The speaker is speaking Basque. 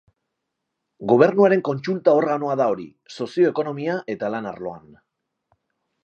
Gobernuaren kontsulta-organoa da hori, sozio-ekonomia eta lan arloan.